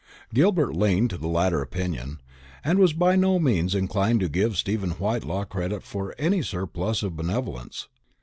Gilbert leaned to the latter opinion, and was by no means inclined to give Stephen Whitelaw credit for any surplus stock of benevolence.